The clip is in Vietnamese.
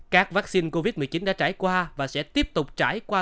các vaccine covid một mươi chín đã trải qua và sẽ tiếp tục trải qua